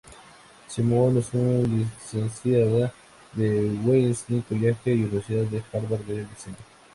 Simon es un licenciada de Wellesley College y Universidad de Harvard de Diseño.